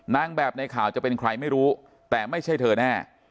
นางแบบในข่าวจะเป็นใครไม่รู้แต่ไม่ใช่เธอแน่